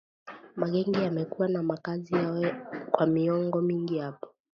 Magenge yamekuwa na makazi yao kwa miongo mingi hapo